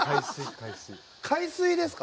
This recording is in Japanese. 海水ですか？